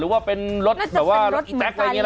หรือว่าเป็นรถแบบแอ๊ก